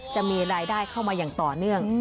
จะมีรายได้เข้ามาอย่างต่อเนื่อง